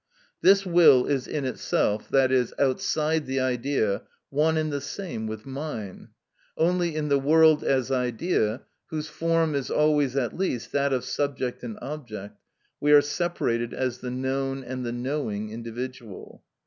This will is in itself, i.e., outside the idea, one and the same with mine: only in the world as idea, whose form is always at least that of subject and object, we are separated as the known and the knowing individual.